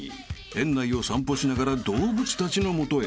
［園内を散歩しながら動物たちの元へ］